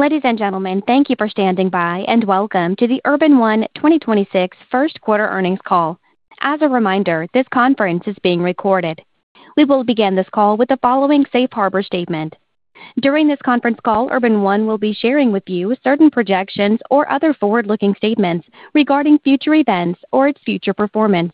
Ladies and gentlemen, thank you for standing by, and welcome to the Urban One 2026 Q1 earnings call. As a reminder, this conference is being recorded. We will begin this call with the following safe harbor statement. During this conference call, Urban One will be sharing with you certain projections or other forward-looking statements regarding future events or its future performance.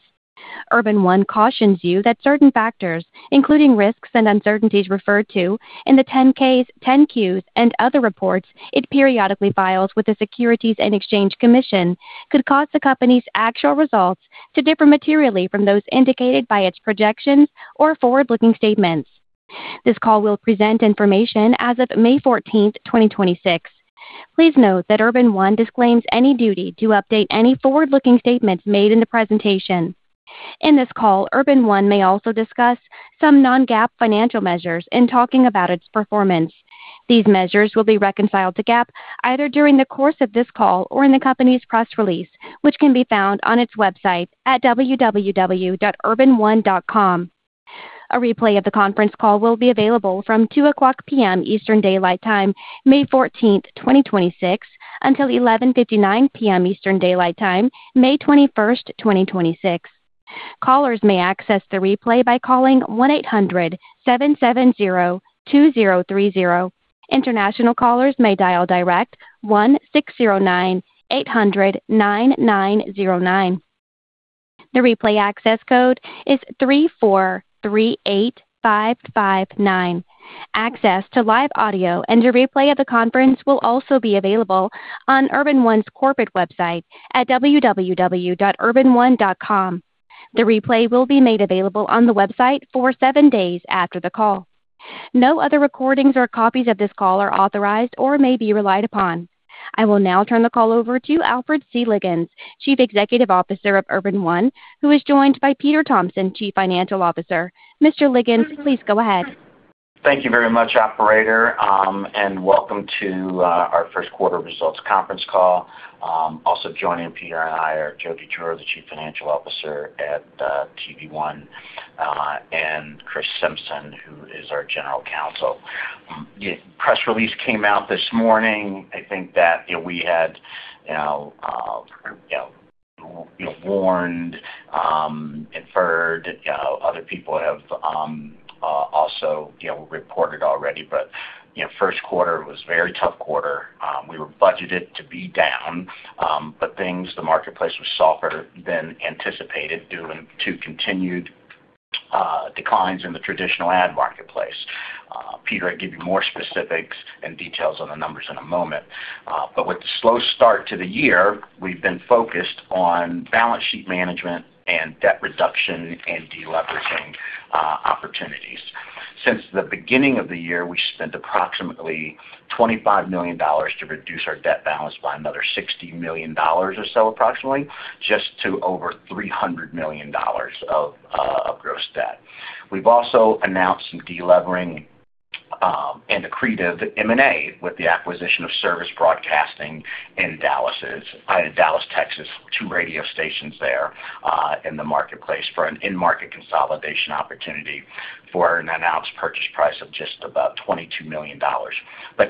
Urban One cautions you that certain factors, including risks and uncertainties referred to in the 10-Ks, 10-Qs, and other reports it periodically files with the Securities and Exchange Commission, could cause the company's actual results to differ materially from those indicated by its projections or forward-looking statements. This call will present information as of May 14th, 2026. Please note that Urban One disclaims any duty to update any forward-looking statements made in the presentation. In this call, Urban One may also discuss some non-GAAP financial measures in talking about its performance. These measures will be reconciled to GAAP either during the course of this call or in the company's press release, which can be found on its website at www.urbanone.com. A replay of the conference call will be available from 2:00 P.M. Eastern Daylight Time, May 14, 2026, until 11:59 P.M. Eastern Daylight Time, May 21, 2026. Callers may access the replay by calling 1-800-770-2030. International callers may dial direct 1-609-809-9909. The replay access code is 3438559. Access to live audio and the replay of the conference will also be available on Urban One's corporate website at www.urbanone.com. The replay will be made available on the website for seven days after the call. No other recordings or copies of this call are authorized or may be relied upon. I will now turn the call over to Alfred C. Liggins, Chief Executive Officer of Urban One, who is joined by Peter Thompson, Chief Financial Officer. Mr. Liggins, please go ahead. Thank you very much, operator, welcome to our Q1 results conference call. Also joining Peter D. Thompson and I are Jody Drewer, the Chief Financial Officer at TV One, and C. Kristopher Simpson, who is our General Counsel. Yeah, press release came out this morning. I think that, you know, we had, you know, warned, inferred, you know, other people have also, you know, reported already. You know, first quarter was a very tough quarter. We were budgeted to be down, but the marketplace was softer than anticipated due to continued declines in the traditional ad marketplace. Peter D. Thompson will give you more specifics and details on the numbers in a moment. With the slow start to the year, we've been focused on balance sheet management and debt reduction and de-leveraging opportunities. Since the beginning of the year, we spent approximately $25 million to reduce our debt balance by another $60 million or so, approximately, just to over $300 million of gross debt. We've also announced some de-levering and accretive M&A with the acquisition of Service Broadcasting in Dallas, Texas, two radio stations there in the marketplace for an in-market consolidation opportunity for an announced purchase price of just about $22 million.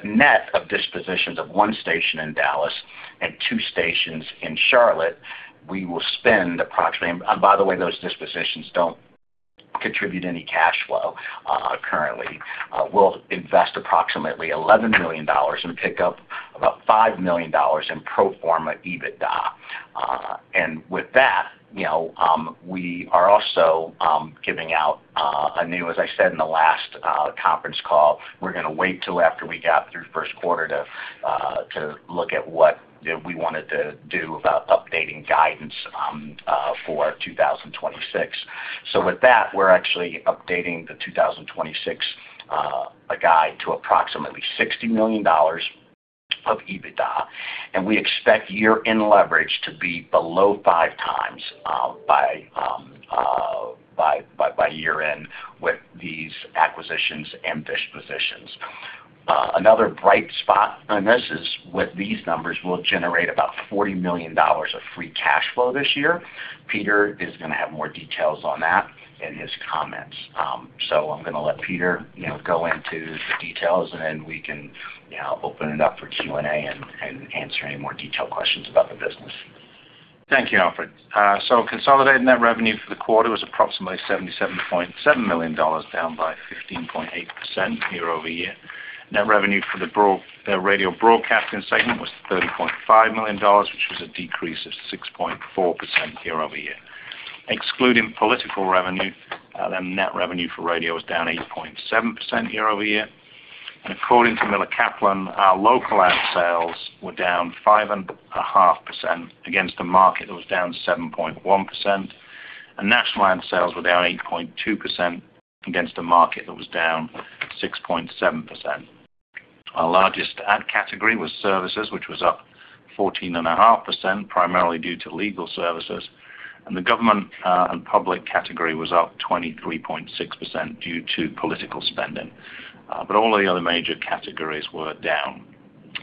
Net of dispositions of one station in Dallas and two stations in Charlotte, we will spend approximately. By the way, those dispositions don't contribute any cash flow currently. We'll invest approximately $11 million and pick up about $5 million in pro forma EBITDA. With that, you know, As I said in the last conference call, we're gonna wait till after we got through first quarter to look at what, you know, we wanted to do about updating guidance for 2026. With that, we're actually updating the 2026 guide to approximately $60 million of EBITDA, and we expect year-end leverage to be below five times by year-end with these acquisitions and dispositions. Another bright spot on this is with these numbers will generate about $40 million of free cash flow this year. Peter is gonna have more details on that in his comments. I'm gonna let Peter, you know, go into the details, and then we can, you know, open it up for Q&A and answer any more detailed questions about the business. Thank you, Alfred. Consolidated net revenue for the quarter was approximately $77.7 million, down by 15.8% year-over-year. Net revenue for the radio broadcasting segment was $30.5 million, which was a decrease of 6.4% year-over-year. Excluding political revenue, the net revenue for radio was down 8.7% year-over-year. According to Miller Kaplan, our local ad sales were down 5.5% against a market that was down 7.1%. National ad sales were down 8.2% against a market that was down 6.7%. Our largest ad category was services, which was up 14.5%, primarily due to legal services. The government and public category was up 23.6% due to political spending. All the other major categories were down.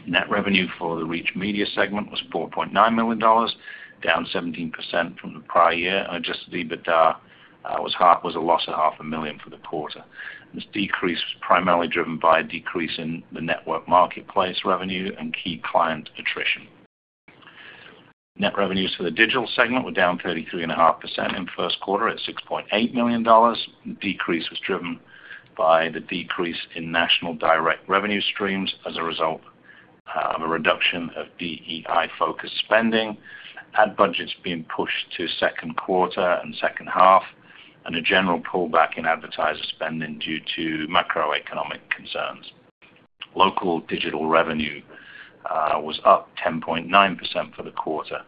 Net revenue for the Reach Media segment was $4.9 million, down 17% from the prior year. Adjusted EBITDA was a loss of half a million for the quarter. This decrease was primarily driven by a decrease in the network marketplace revenue and key client attrition. Net revenues for the digital segment were down 33.5% in Q1 at $6.8 million. The decrease was driven by the decrease in national direct revenue streams as a result of a reduction of DEI-focused spending, ad budgets being pushed to Q2 and H2, and a general pullback in advertiser spending due to macroeconomic concerns. Local digital revenue was up 10.9% for the quarter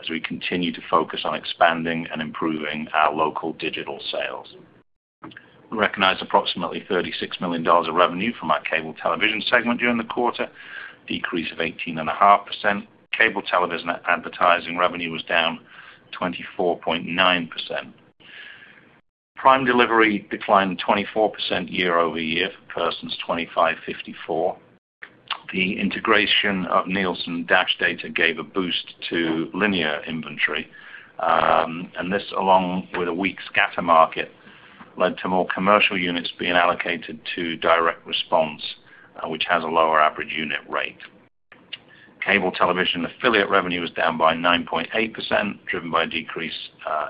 as we continue to focus on expanding and improving our local digital sales. We recognized approximately $36 million of revenue from our cable television segment during the quarter, decrease of 18.5%. Cable television advertising revenue was down 24.9%. Prime delivery declined 24% year-over-year for persons 25-54. The integration of Nielsen dash data gave a boost to linear inventory, and this along with a weak scatter market led to more commercial units being allocated to direct response, which has a lower average unit rate. Cable television affiliate revenue was down by 9.8%, driven by a decrease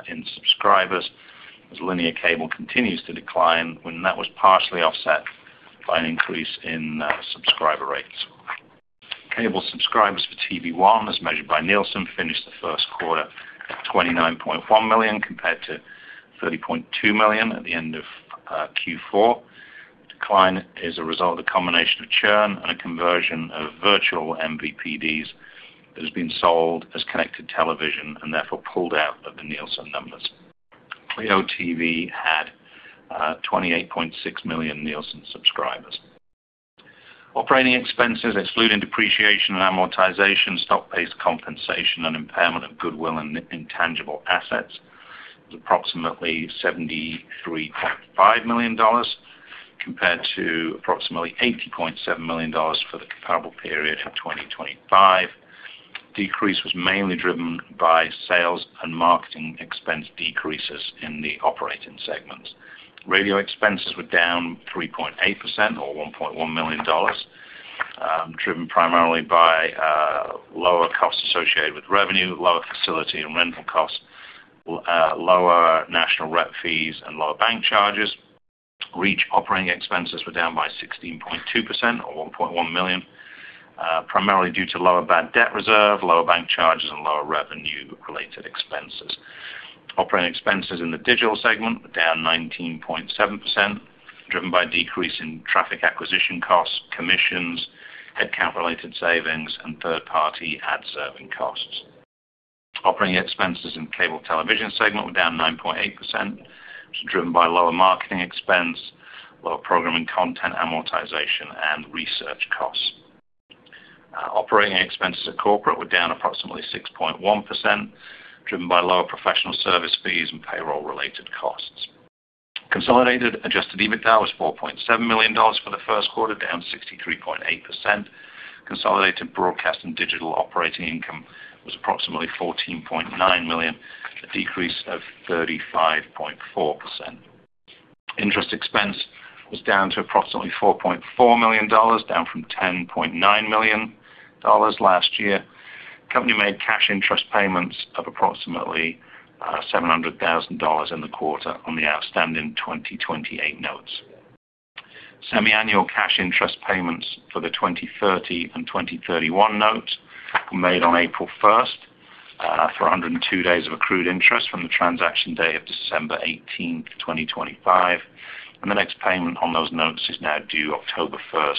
in subscribers as linear cable continues to decline when that was partially offset by an increase in subscriber rates. Cable subscribers for TV One, as measured by Nielsen, finished Q1 at 29.1 million compared to 30.2 million at the end of Q4. The decline is a result of the combination of churn and a conversion of virtual MVPDs that has been sold as connected television and therefore pulled out of the Nielsen numbers. CLEO TV had 28.6 million Nielsen subscribers. Operating expenses excluding depreciation and amortization, stock-based compensation, and impairment of goodwill and intangible assets was approximately $73.5 million compared to approximately $80.7 million for the comparable period of 2025. Decrease was mainly driven by sales and marketing expense decreases in the operating segments. Radio expenses were down 3.8% or $1.1 million, driven primarily by lower costs associated with revenue, lower facility and rental costs, lower national rep fees, and lower bank charges. Reach operating expenses were down by 16.2% or $1.1 million, primarily due to lower bad debt reserve, lower bank charges, and lower revenue related expenses. Operating expenses in the digital segment were down 19.7%, driven by a decrease in traffic acquisition costs, commissions, headcount related savings, and third-party ad serving costs. Operating expenses in cable television segment were down 9.8%, which was driven by lower marketing expense, lower programming content amortization, and research costs. Operating expenses at corporate were down approximately 6.1%, driven by lower professional service fees and payroll related costs. Consolidated adjusted EBITDA was $4.7 million for Q1, down 63.8%. Consolidated broadcast and digital operating income was approximately $14.9 million, a decrease of 35.4%. Interest expense was down to approximately $4.4 million, down from $10.9 million last year. Company made cash interest payments of approximately $700,000 in the quarter on the outstanding 2028 notes. Semiannual cash interest payments for the 2030 and 2031 notes were made on April 1 for 102 days of accrued interest from the transaction day of December 18, 2025, and the next payment on those notes is now due October 1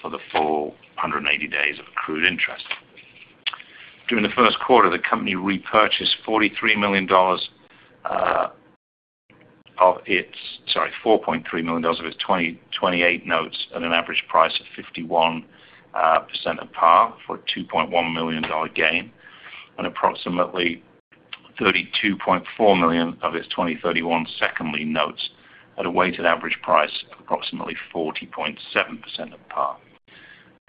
for the full 180 days of accrued interest. During Q1, the company repurchased $4.3 million of its 2028 notes at an average price of 51% of par for a $2.1 million gain and approximately $32.4 million of its 2031 second lien notes at a weighted average price of approximately 40.7% of par.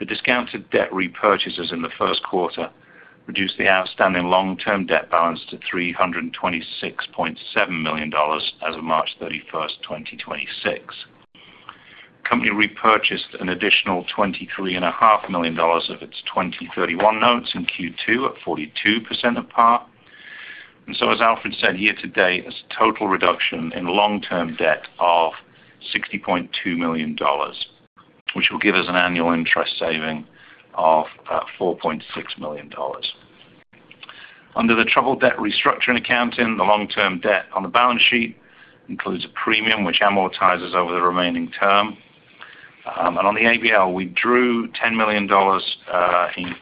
The discounted debt repurchases in Q1 reduced the outstanding long-term debt balance to $326.7 million as of March 31, 2026. The company repurchased an additional twenty-three and a half million dollars of its 2031 notes in Q2 at 42% of par. As Alfred said here today, it's a total reduction in long-term debt of $60.2 million, which will give us an annual interest saving of $4.6 million. Under the troubled debt restructuring accounting, the long-term debt on the balance sheet includes a premium which amortizes over the remaining term. On the ABL, we drew $10 million in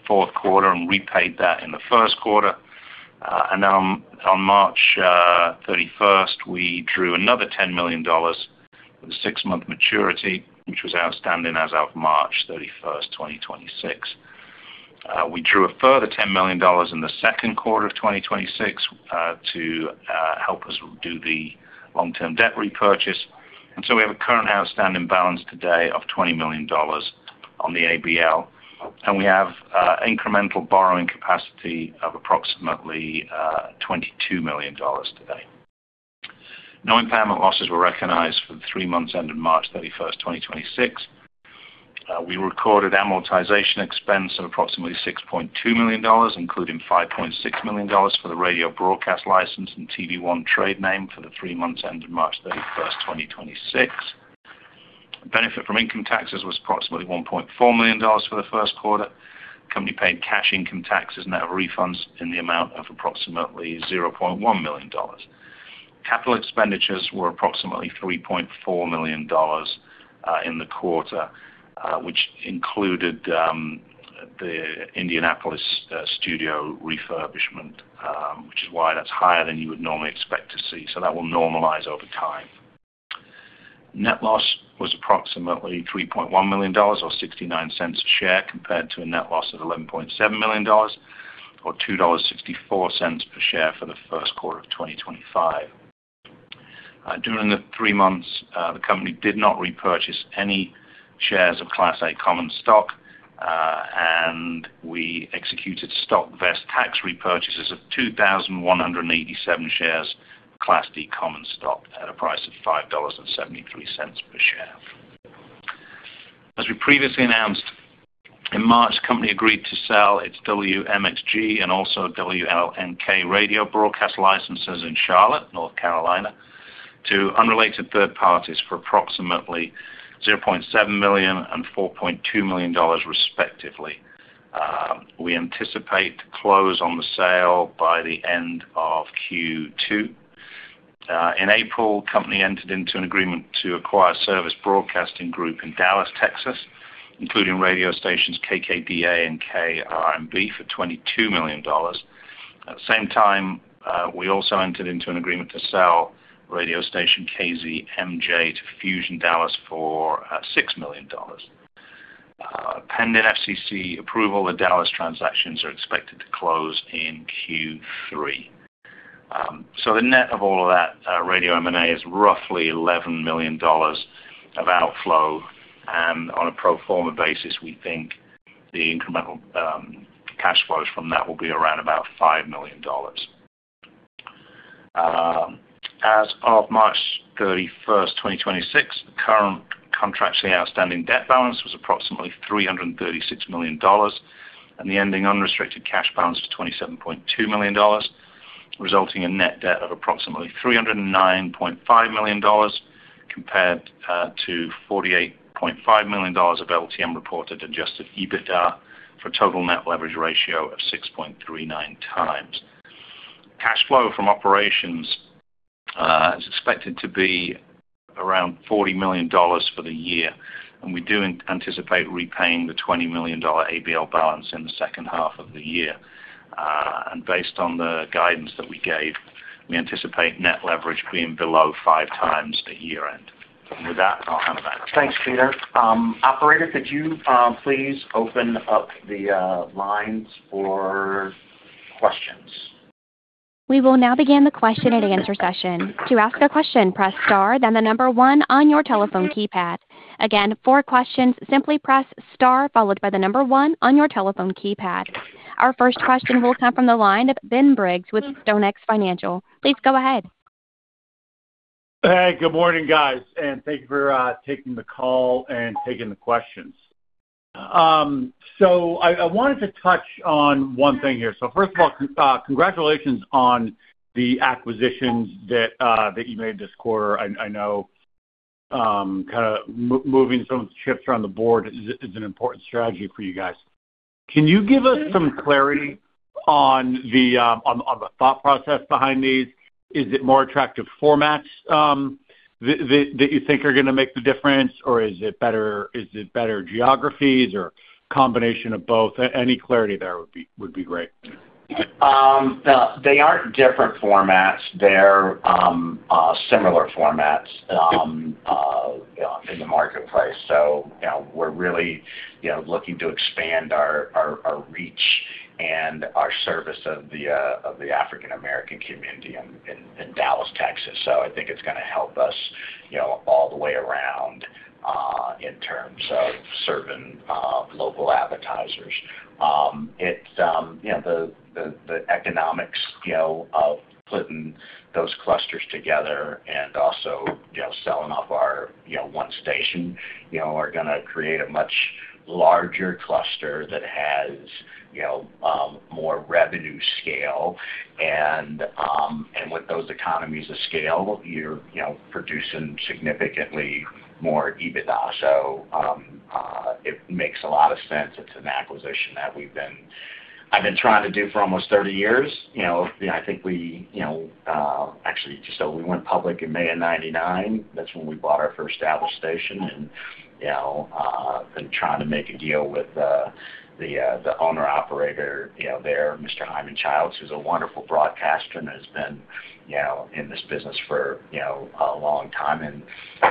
Q4 and repaid that in Q1. On March 31st, we drew another $10 million with a six-month maturity, which was outstanding as of March 31st, 2026. We drew a further $10 million in Q2 of 2026 to help us do the long-term debt repurchase. We have a current outstanding balance today of $20 million on the ABL, and we have incremental borrowing capacity of approximately $22 million today. No impairment losses were recognized for the three months ended March 31, 2026. We recorded amortization expense of approximately $6.2 million, including $5.6 million for the radio broadcast license and TV One trade name for the three months ended March 31, 2026. Benefit from income taxes was approximately $1.4 million for the first quarter. Company paid cash income taxes, net refunds in the amount of approximately $0.1 million. Capital expenditures were approximately $3.4 million in the quarter, which included the Indianapolis studio refurbishment, which is why that's higher than you would normally expect to see. That will normalize over time. Net loss was approximately $3.1 million or $0.69 a share, compared to a net loss of $11.7 million or $2.64 per share for Q1 of 2025. During the three months, the company did not repurchase any shares of Class A common stock, and we executed stock vest tax repurchases of 2,187 shares Class D common stock at a price of $5.73 per share. As we previously announced, in March, company agreed to sell its WMXG and also WLNK radio broadcast licenses in Charlotte, North Carolina, to unrelated third parties for approximately $0.7 million and $4.2 million respectively. We anticipate to close on the sale by the end of Q2. In April, company entered into an agreement to acquire Service Broadcasting Group in Dallas, Texas, including radio stations KKDA and KRNB for $22 million. At the same time, we also entered into an agreement to sell radio station KZMJ to Fuzion Dallas for $6 million. Pending FCC approval, the Dallas transactions are expected to close in Q3. The net of all of that, radio M&A is roughly $11 million of outflow, and on a pro forma basis, we think the incremental cash flows from that will be around about $5 million. As of March 31, 2026, the current contractually outstanding debt balance was approximately $336 million, and the ending unrestricted cash balance was $27.2 million, resulting in net debt of approximately $309.5 million compared to $48.5 million of LTM reported adjusted EBITDA for a total net leverage ratio of 6.39 times. Cash flow from operations is expected to be around $40 million for the year, and we do anticipate repaying the $20 million ABL balance in the second half of the year. Based on the guidance that we gave, we anticipate net leverage being below 5 times at year end. With that, I'll hand it back to Alfred. Thanks, Peter. operator, could you please open up the lines for questions? Our first question will come from the line of Ben Briggs with StoneX Financial. Please go ahead. Hey, good morning, guys, thank you for taking the call and taking the questions. I wanted to touch on one thing here. First of all, congratulations on the acquisitions that you made this quarter. I know, kind of moving some chips around the board is an important strategy for you guys. Can you give us some clarity on the thought process behind these? Is it more attractive formats, that you think are gonna make the difference, or is it better geographies or combination of both? Any clarity there would be great. They aren't different formats. They're similar formats, you know, in the marketplace. You know, we're really, you know, looking to expand our reach and our service of the African American community in Dallas, Texas. I think it's gonna help us, you know, all the way around in terms of serving local advertisers. It's, you know, the economics, you know, of putting those clusters together and also, you know, selling off our, you know, one station, you know, are gonna create a much larger cluster that has, you know, more revenue scale. With those economies of scale, you're, you know, producing significantly more EBITDA. It makes a lot of sense. It's an acquisition that I've been trying to do for almost 30 years. You know, I think we, you know, Actually, we went public in May of 1999. That's when we bought our first Dallas station, you know, been trying to make a deal with the owner operator, you know, there, Mr. Hyman Childs, who's a wonderful broadcaster and has been, you know, in this business for, you know, a long time.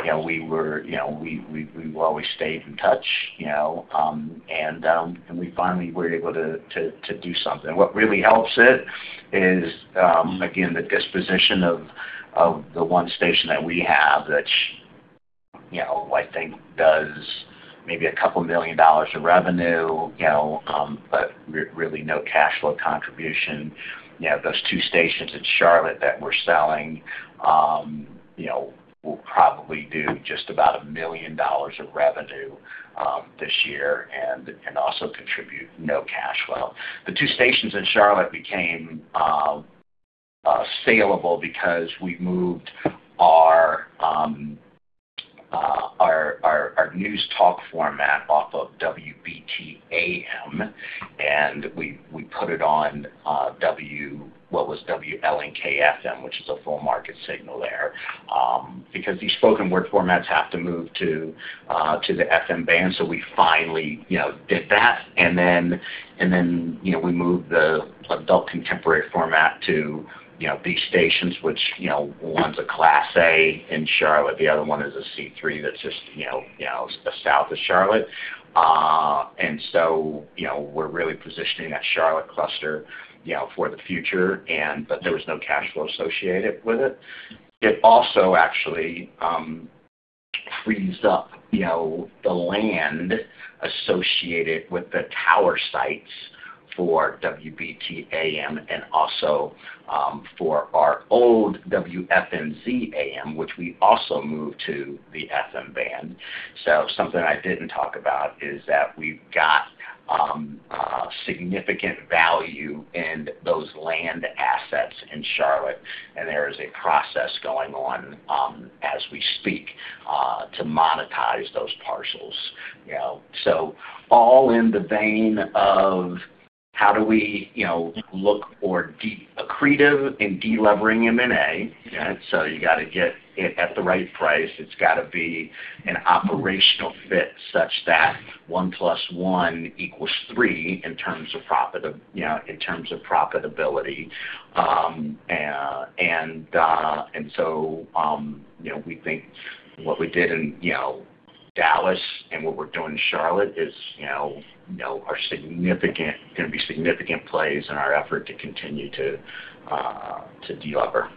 You know, we were, you know, we always stayed in touch, you know, we finally were able to do something. What really helps it is, again, the disposition of the one station that we have that You know, I think does maybe $2 million of revenue, you know, but really no cash flow contribution. You know, those two stations in Charlotte that we're selling, you know, will probably do just about $1 million of revenue this year and also contribute no cash flow. The two stations in Charlotte became saleable because we moved our news talk format off of WBT AM, and we put it on WLNK-FM, which is a full market signal there. Because these spoken word formats have to move to the FM band, we finally, you know, did that. You know, we moved the adult contemporary format to these stations, which, one's a Class A in Charlotte, the other one is a C3 that's just, you know, south of Charlotte. You know, we're really positioning that Charlotte cluster for the future but there was no cash flow associated with it. It also actually frees up the land associated with the tower sites for WBT AM and also for our old WFMZ AM, which we also moved to the FM band. Something I didn't talk about is that we've got significant value in those land assets in Charlotte, and there is a process going on as we speak to monetize those parcels. All in the vein of how do we, you know, look for accretive and de-levering M&A? Yeah. You got to get it at the right price. It's got to be an operational fit such that 1 plus 1 equals 3 in terms of you know, in terms of profitability. You know, we think what we did in, you know, Dallas and what we're doing in Charlotte is, you know, are significant, gonna be significant plays in our effort to continue to de-lever.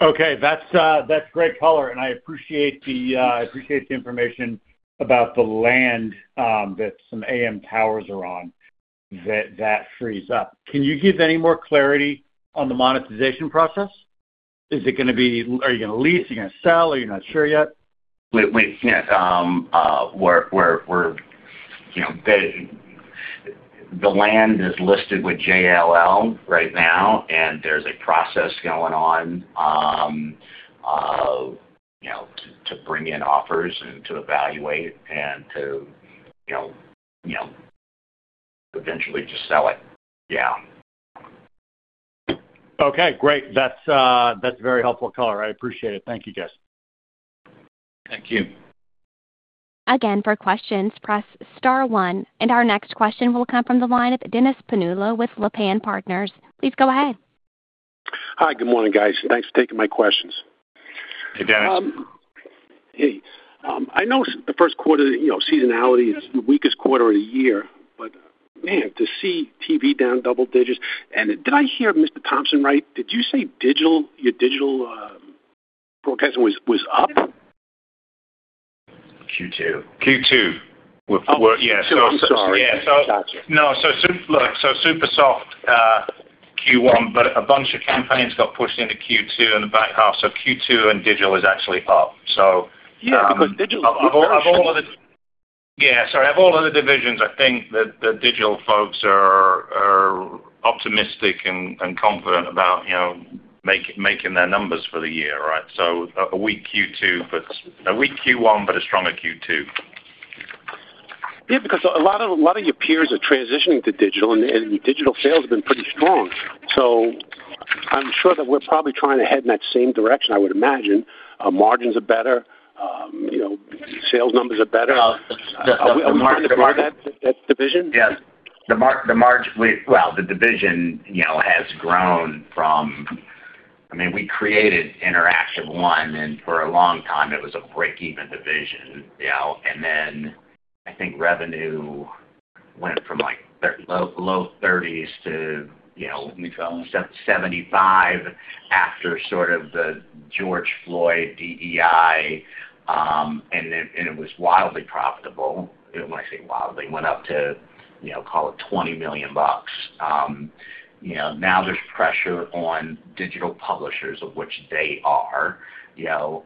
Okay. That's great color, and I appreciate the information about the land that some AM towers are on that frees up. Can you give any more clarity on the monetization process? Are you gonna lease? Are you gonna sell? Are you not sure yet? We, yeah, we're, you know, the land is listed with JLL right now, and there's a process going on, you know, to bring in offers and to evaluate and to, you know, eventually just sell it. Yeah. Okay, great. That's very helpful color. I appreciate it. Thank you, guys. Thank you. Again, for questions, press star one. Our next question will come from the line of Dennis Pannullo with Lapan Partners. Please go ahead. Hi. Good morning, guys. Thanks for taking my questions. Hey, Dennis. Hey, I know the first quarter, you know, seasonality is the weakest quarter of the year, but man, to see TV down double digits. Did I hear Mr. Thompson right? Did you say digital, your digital broadcasting was up? Q2. Q2. We're, yeah. Oh, Q2. I'm sorry. Yeah. Gotcha. No. Look, so super soft Q1, but a bunch of campaigns got pushed into Q2 in the back half, so Q2 and digital is actually up. Yeah, because digital- Yeah. Sorry. Of all of the divisions, I think the digital folks are optimistic and confident about, you know, making their numbers for the year, right? A weak Q2, but a weak Q1, but a stronger Q2. Yeah, because a lot of your peers are transitioning to digital, and digital sales have been pretty strong. I'm sure that we're probably trying to head in that same direction, I would imagine. Our margins are better, you know, sales numbers are better. The, the mar- Are we on the market for that division? Yes. Well, the division, you know, has grown from I mean, we created iOne Digital, and for a long time it was a break-even division, you know. I think revenue went from, like, low 30s to, you know, let me tell, 75 after sort of the George Floyd DEI, and it was wildly profitable. When I say wildly, went up to, you know, call it $20 million. You know, now there's pressure on digital publishers, of which they are, you know,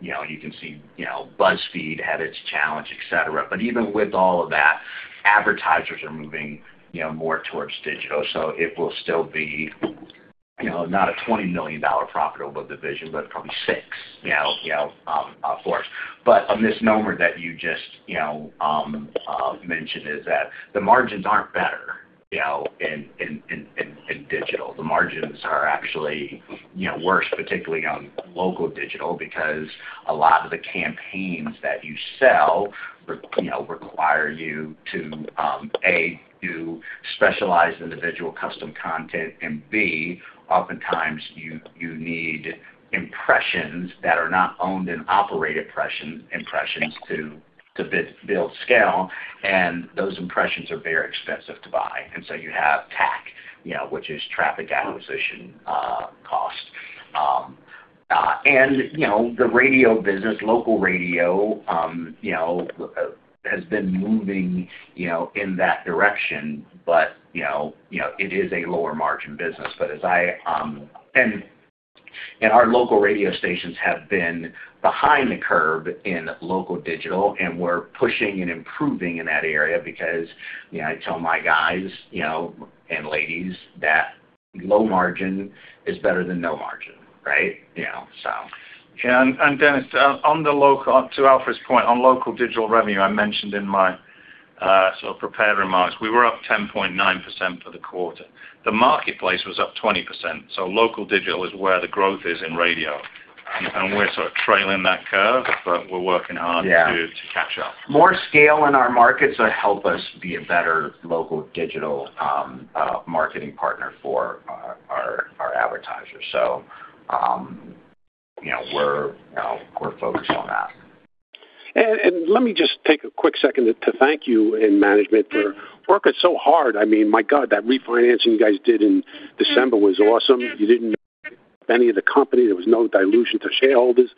you can see, you know, BuzzFeed had its challenge, et cetera. Even with all of that, advertisers are moving, you know, more towards digital. It will still be, you know, not a $20 million profitable division, but probably 6, you know, of course. A misnomer that you just, you know, mentioned is that the margins aren't better, you know, in, in, in digital. The margins are actually, you know, worse, particularly on local digital, because a lot of the campaigns that you sell, you know, require you to, A, do specialized individual custom content, and B, oftentimes you need impressions that are not owned and operated impressions to build scale, and those impressions are very expensive to buy. You have TAC, you know, which is traffic acquisition cost. You know, the radio business, local radio, you know, has been moving, you know, in that direction. You know, you know, it is a lower margin business. Our local radio stations have been behind the curve in local digital, and we're pushing and improving in that area because, you know, I tell my guys, you know, and ladies that low margin is better than no margin, right? You know. Yeah, Dennis, on the local to Alfred's point, on local digital revenue, I mentioned in my sort of prepared remarks, we were up 10.9% for the quarter. The marketplace was up 20%, so local digital is where the growth is in radio. We're sort of trailing that curve, but we're working hard. Yeah to catch up. More scale in our markets will help us be a better local digital marketing partner for our advertisers. You know, we're, you know, we're focused on that. Let me just take a quick second to thank you and management for working so hard. I mean, my God, that refinancing you guys did in December was awesome. You didn't any of the company, there was no dilution to shareholders.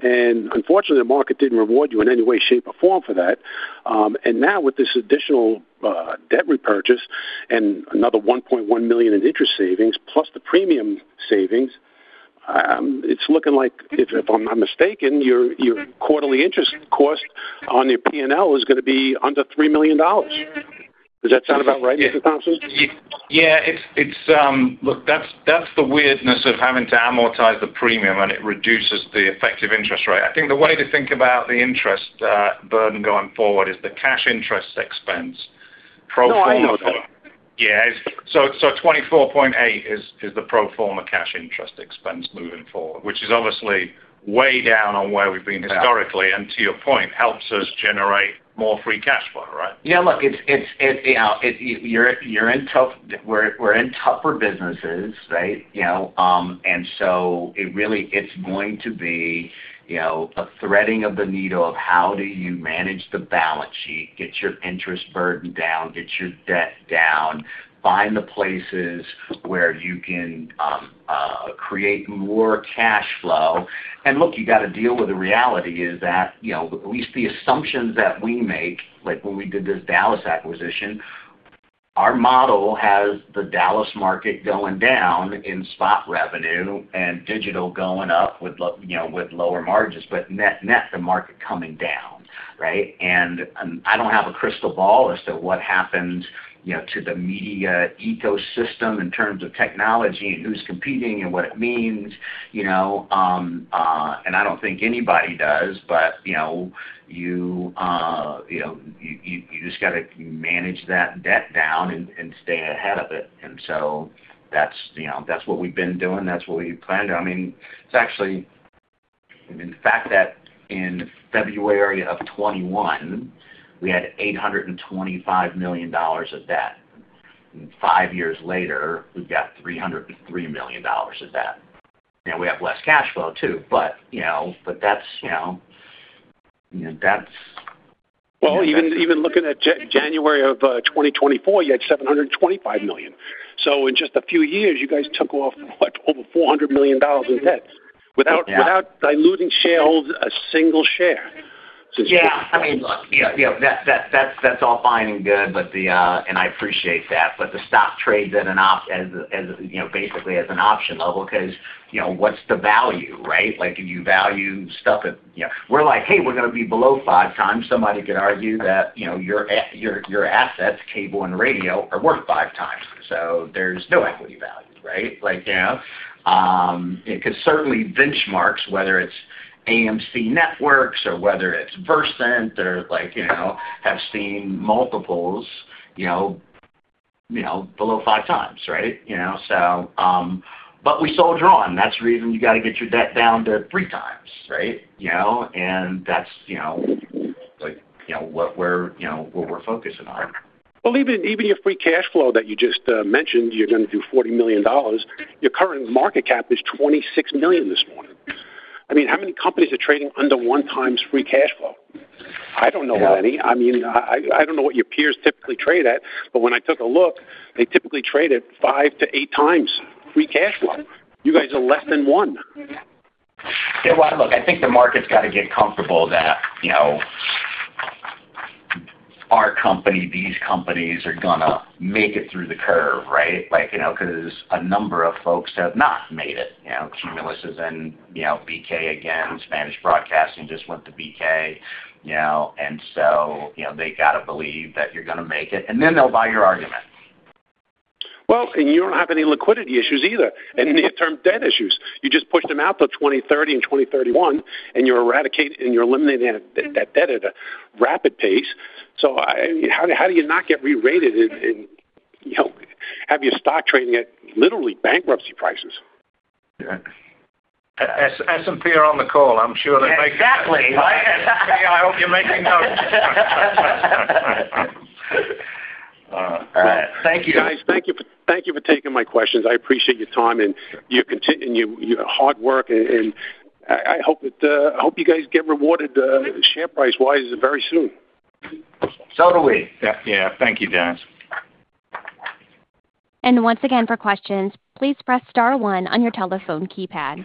Unfortunately, the market didn't reward you in any way, shape, or form for that. Now with this additional debt repurchase and another $1.1 million in interest savings, plus the premium savings, it's looking like if I'm not mistaken, your quarterly interest cost on your P&L is gonna be under $3 million. Does that sound about right, Mr. Thompson? Yeah, it's Look, that's the weirdness of having to amortize the premium, and it reduces the effective interest rate. I think the way to think about the interest burden going forward is the cash interest expense pro forma- No, I know that. Yeah. $24.8 is the pro forma cash interest expense moving forward, which is obviously way down on where we've been historically, and to your point, helps us generate more free cash flow, right? Yeah, look, it's, you know, we're in tougher businesses, right? You know, it really, it's going to be, you know, a threading of the needle of how do you manage the balance sheet, get your interest burden down, get your debt down, find the places where you can create more cash flow. Look, you got to deal with the reality is that, you know, at least the assumptions that we make, like when we did this Dallas acquisition, our model has the Dallas market going down in spot revenue and digital going up with, you know, with lower margins, but net, the market coming down, right? I don't have a crystal ball as to what happens, you know, to the media ecosystem in terms of technology and who's competing and what it means, you know, and I don't think anybody does. You know, you know, you just got to manage that debt down and stay ahead of it. That's, you know, that's what we've been doing. That's what we planned. I mean, it's actually, in fact that in February of 2021, we had $825 million of debt. Five years later, we've got $303 million of debt. You know, we have less cash flow too, but, you know, that's. Even looking at January of 2024, you had $725 million. In just a few years, you guys took off what? Over $400 million in debt. Yeah. Without diluting shareholders a single share since. I mean, look, you know, you know, that's, that's all fine and good, but I appreciate that. The stock trades at an as, you know, basically as an option level because, you know, what's the value, right? Like, if you value stuff at, you know, we're like, Hey, we're gonna be below five times. Somebody could argue that, you know, your assets, cable and radio are worth five times, so there's no equity value, right? Like, you know, it could certainly benchmarks, whether it's AMC Networks or whether it's Versant or like, you know, have seen multiples, you know, below five times, right? You know, so, but we soldier on. That's the reason you got to get your debt down to three times, right? You know, and that's, you know, like, you know, what we're, you know, what we're focusing on. Well, even your free cash flow that you just mentioned, you're gonna do $40 million. Your current market cap is $26 million this morning. I mean, how many companies are trading under one times free cash flow? I don't know of any. Yeah. I mean, I don't know what your peers typically trade at, but when I took a look, they typically trade at five to eight times free cash flow. You guys are less than one. Well, look, I think the market's got to get comfortable that, you know, our company, these companies are gonna make it through the curve, right? You know, 'cause a number of folks have not made it, you know. Cumulus is in, you know, BK again. Spanish Broadcasting just went to BK, you know. You know, they got to believe that you're gonna make it, and then they'll buy your argument. You don't have any liquidity issues either, any of the term debt issues. You just pushed them out to 2030 and 2031. You're eradicating and you're eliminating that debt at a rapid pace. I mean, how do you not get rerated and, you know, have your stock trading at literally bankruptcy prices? Yeah. S&P are on the call. Exactly, right? S&P, I hope you're making notes. All right. Thank you. Guys, thank you for taking my questions. I appreciate your time and your hard work. I hope you guys get rewarded share price-wise very soon. Do we. Yeah. Thank you, Dennis. Once again, for questions, please press star one on your telephone keypad.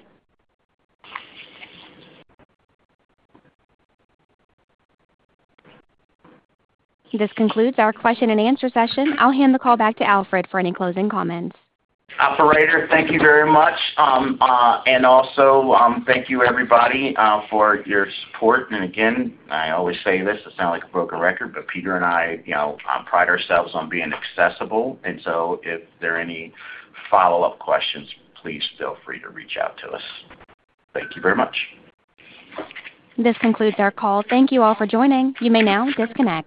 This concludes our question and answer session. I'll hand the call back to Alfred for any closing comments. Operator, thank you very much. Also, thank you everybody for your support. Again, I always say this, it sounds like a broken record, but Peter and I, you know, pride ourselves on being accessible. If there are any follow-up questions, please feel free to reach out to us. Thank you very much. This concludes our call. Thank you all for joining. You may now disconnect.